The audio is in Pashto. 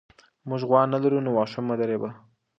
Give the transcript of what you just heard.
موږ غوا نه لرو نو واښه مه رېبه.